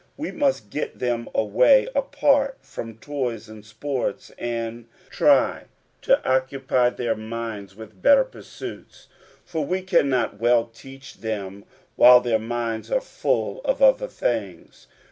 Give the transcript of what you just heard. TTe must get them away, apart from toys and sports, ind try to occupy their minds with better pursuits ; for wa cannot well teach them while their minds are full of other things.